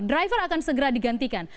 driver akan segera digantikan